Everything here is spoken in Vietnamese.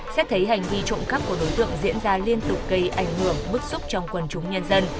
xét thấy hành vi trộm cắp của đối tượng diễn ra liên tục gây ảnh hưởng bức xúc trong quần chúng nhân dân